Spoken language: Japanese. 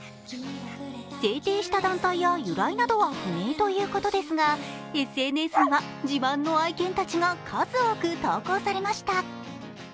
制定した団体や由来などは不明ということですがＳＮＳには自慢の愛犬たちが数多く投稿されました。